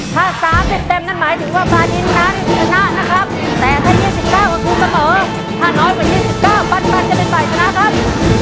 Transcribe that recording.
แต่ถ้า๒๙ของทูมมันเหลือถ้าน้อยกว่า๒๙ปันจะเป็นใส่ชนะครับ